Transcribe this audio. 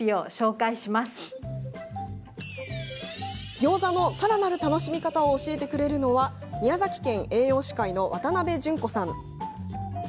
ギョーザのさらなる楽しみ方を教えてくれるのは宮崎県栄養士会の渡邉純子さん。